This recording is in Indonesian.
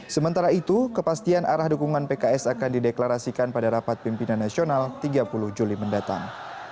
sementara itu kepastian arah dukungan pks akan dideklarasikan pada rapat pimpinan nasional tiga puluh juli mendatang